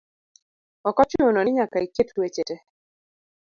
ok ochuno ni nyaka iket weche te.